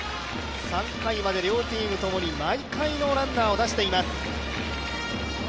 ３回まで両チームともに毎回のランナーを出しています。